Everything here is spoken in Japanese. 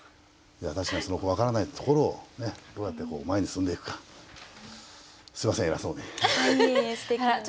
いや確かにその分からないところをどうやってこう前に進んでいくか。